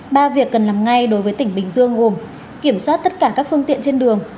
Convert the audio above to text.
ba việc cần làm ngay đối với tỉnh bình dương gồm kiểm soát tất cả các phương tiện trên đường